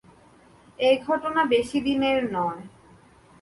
এ ঘটনা বেশি দিনের নয়।